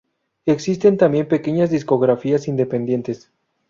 existen también pequeñas discográficas independientes